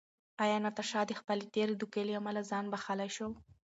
ایا ناتاشا د خپلې تېرې دوکې له امله ځان بښلی شو؟